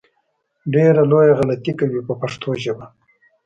ډېره لویه غلطي کوي په پښتو ژبه.